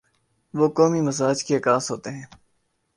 وہ قومی مزاج کے عکاس ہوتے ہیں۔